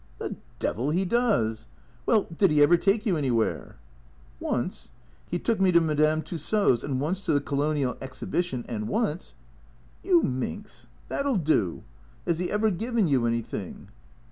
" The devil he does ! Well, did he ever take you anywhere ?"" Once — he took me to Madame Tussaws ; and once to the Colonial Exhibition; and once " THE CREATORS 53 " You minx. That '11 do. Has he ever given you any thing?"